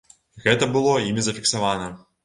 Гэта было імі зафіксавана.